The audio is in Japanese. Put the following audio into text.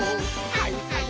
はいはい。